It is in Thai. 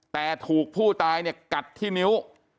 แต่ถูกผู้ตายเนี่ยกัดที่นิ้ว